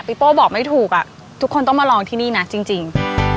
โป้บอกไม่ถูกทุกคนต้องมาลองที่นี่นะจริง